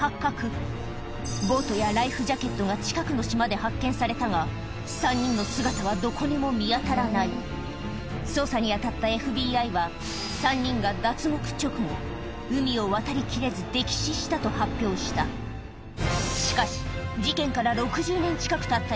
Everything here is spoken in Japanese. ボートやライフジャケットが近くの島で発見されたが捜査に当たったＦＢＩはと発表したしかし事件から６０年近くたった